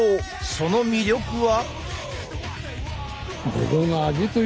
その魅力は？